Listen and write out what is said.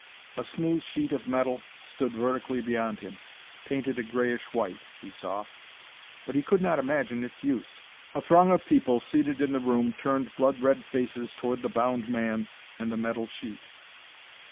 A smooth sheet of metal stood vertically beyond him; painted a grayish white, he saw; but he could not imagine its use. A throng of people, seated in the room, turned blood red faces toward the bound man and the metal sheet.